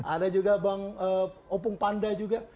ada juga bang opung panda juga